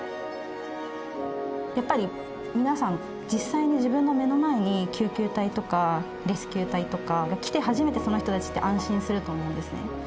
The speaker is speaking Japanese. やっぱり皆さん実際に自分の目の前に救急隊とかレスキュー隊とかが来て初めてその人たちって安心すると思うんですね。